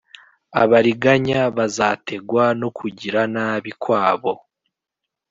abariganya bazategwa no kugira nabi kwabo